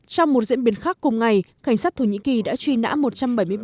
trong một diễn biến khác cùng ngày cảnh sát thổ nhĩ kỳ đã truy nã một trang thông tin tình báo với thổ nhĩ kỳ